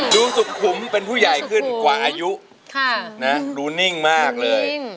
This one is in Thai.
รู้สึกขุมเป็นผู้ใหญ่ขึ้นกว่าอายุดูนิ่งมากเลย